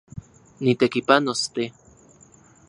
Nitekipanos, te